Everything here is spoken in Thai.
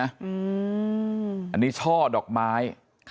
อันนี้ช่อดอกไม้